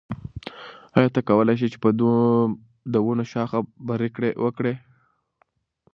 آیا ته کولای شې چې د ونو شاخه بري وکړې؟